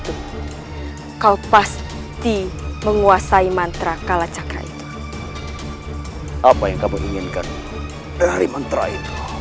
tuh kau pasti menguasai mantra kalacakra itu apa yang kamu inginkan dari mantra itu